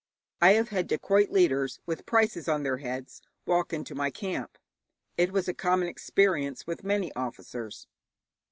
I have had dacoit leaders with prices on their heads walk into my camp. It was a common experience with many officers.